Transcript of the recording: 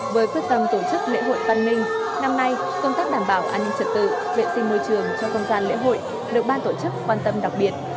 với quyết tâm tổ chức lễ hội văn minh năm nay công tác đảm bảo an ninh trật tự vệ sinh môi trường trong không gian lễ hội được ban tổ chức quan tâm đặc biệt